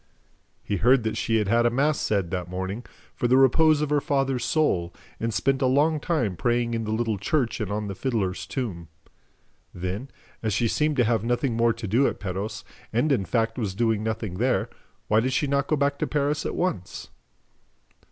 He heard that she had had a mass said, that morning, for the repose of her father's soul and spent a long time praying in the little church and on the fiddler's tomb. Then, as she seemed to have nothing more to do at Perros and, in fact, was doing nothing there, why did she not go back to Paris at once?